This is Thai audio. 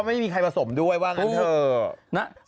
คุณบอกว่าเพราะอะไรรู้ไหม